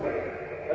tangerang b scream